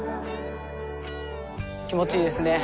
気持ちいいですね。